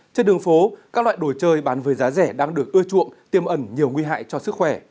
trên đường phố các loại đồ chơi bán với giá rẻ đang được ưa chuộng tiêm ẩn nhiều nguy hại cho sức khỏe